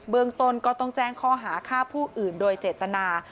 เมืองต้นก็ต้องแจ้งข้อหาฆ่าผู้อื่นโดยเจตนา